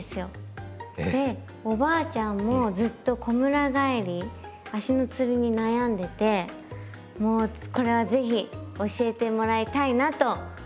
えっ⁉でおばあちゃんもずっとこむら返り足のつりに悩んでてもうこれは是非教えてもらいたいなと思っておりました。